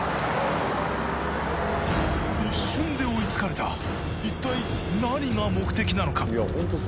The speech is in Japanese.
一瞬で追いつかれた一体何が目的なのか？